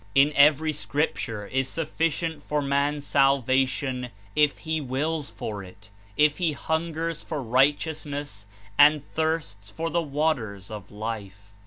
In every Scripture is sufficient for man's salvation if he wills for it. If he hungers for righteousness and thirsts for the waters of Life.